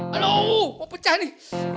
aduh mau pecah nih